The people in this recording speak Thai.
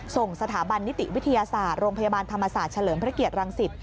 ส่งสถาบันนิติวิทยาศาสตร์โรงพยาบาลธรรมศาสตร์เฉลิมพระเกียรังสิต